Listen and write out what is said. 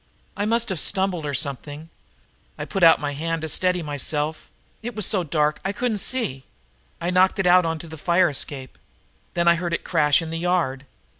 I must have stumbled over something. I put out my hand to steady myself. It was so dark I couldn't see. I knocked it out on the fire escape. Then I heard it crash in the yard."